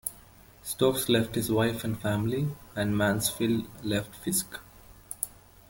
Stokes left his wife and family, and Mansfield left Fisk.